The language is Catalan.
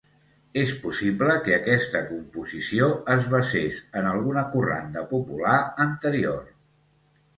És possible que aquesta composició es basés en alguna corranda popular anterior.